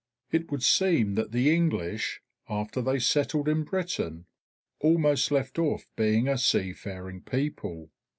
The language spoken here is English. It would seem that the English, after they settled in Britain, almost left off being a seafaring people.